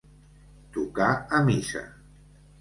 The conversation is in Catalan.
Tocar a missa.